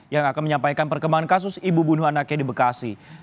yang akan menyampaikan perkembangan kasus ibu bunuh anaknya di bekasi